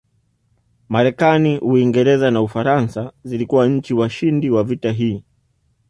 Marekani Uingereza na Ufaransa zilikuwa nchi washindi wa vita hii